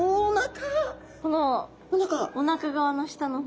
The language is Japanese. このおなか側の下の方。